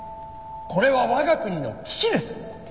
これは我が国の危機です。